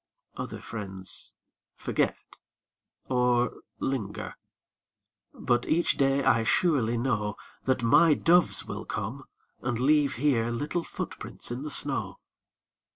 Other friends forget, or linger, But each day I surely know That my doves will come and leave here Little footprints in the snow.